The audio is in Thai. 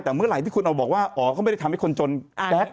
แต่เมื่อไหร่ที่คุณเอาบอกว่าอ๋อเขาไม่ได้ทำให้คนจนแก๊ก